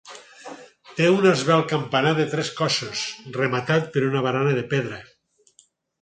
Té un esvelt campanar de tres cossos, rematat per una barana de pedra.